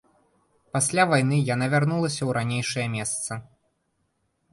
Пасля вайны яна вярнулася ў ранейшае месца.